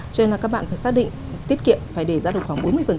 cho nên là các bạn phải xác định tiết kiệm phải để ra được khoảng bốn mươi